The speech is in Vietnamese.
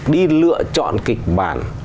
đi lựa chọn kịch bản